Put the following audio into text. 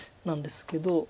なんですけど。